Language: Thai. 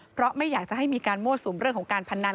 เพราะไม่อยากจะให้มีการมั่วสุมเรื่องของการพนัน